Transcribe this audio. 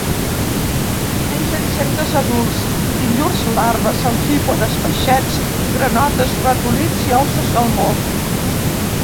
Menja insectes adults i llurs larves, amfípodes, peixets, granotes, ratolins i ous de salmó.